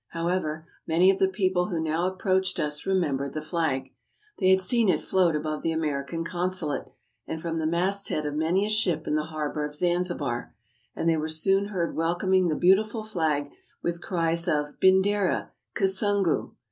How ever, many of the people who now approached us remem bered the flag. They had seen it float above the American consulate, and from the mast head of many a ship in the harbor of Zanzibar, and they were soon heard welcoming the beautiful flag with cries of " Bindera, Kisungu!"